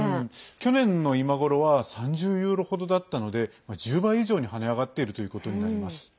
去年の今頃は３０ユーロ程だったので１０倍以上に跳ね上がっているということになります。